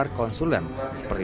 juga juga dari